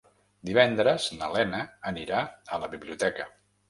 Divendres na Lena anirà a la biblioteca.